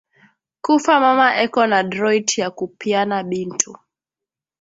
kufa mama eko na droit yaku pyana bintu